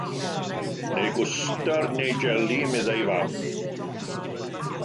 “Neu gwstard, neu jeli,” meddai ei fam.